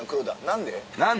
「何で？」。